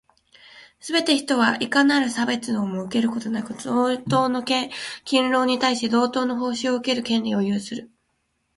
すべて人は、いかなる差別をも受けることなく、同等の勤労に対し、同等の報酬を受ける権利を有する。